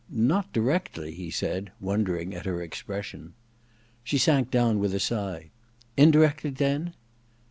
*Not directly,' he said, wondering at her expression. She sank down with a sigh. •Indirectly, then?'